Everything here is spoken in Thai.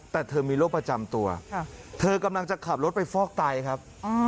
แต่เธอมีโรคประจำตัวเธอกำลังจะขับรถไปฟอกไตครับ